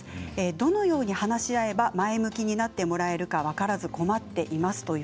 どのように話し合えば前向きになってもらえるか分からず困っています。